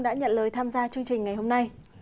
dưới tham gia chương trình ngày hôm nay